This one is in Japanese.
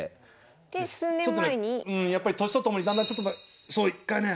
うんやっぱり年とともにだんだんちょっとそう一回ね。